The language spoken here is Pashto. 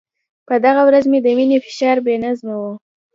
په دغه ورځ مې د وینې فشار بې نظمه و.